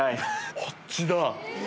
こっちだ。